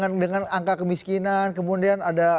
maksudnya dengan angka kemiskinan kemudian angka keguguran